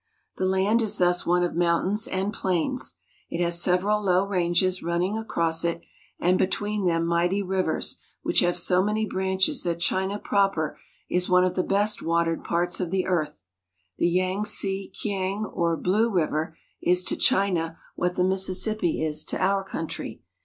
The land is thus one of mountains and plains. It has several low ranges running across it, and between them mighty rivers which have so many branches that China proper is one of the best watered parts of the earth. The Yangtze Kiang or Blue River is to China what the Mississippi is to our country.